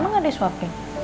mama gak disuapin